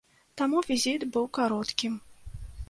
Таму візіт быў кароткім.